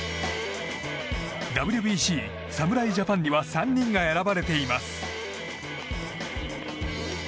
ＷＢＣ、侍ジャパンには３人が選ばれています。